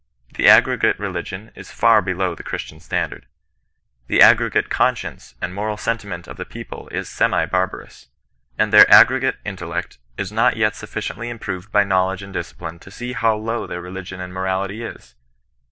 The aggregate religion is ^ below the Christian standard. The aggregate con CHRISTIAN NON RESISTANCE. 167 science and moral sentiment of the people is semi bar barous. And their aggregate intellect is not yet suffi ciently improved by knowledge and discipline to see hoTi^^low their religion and morality is.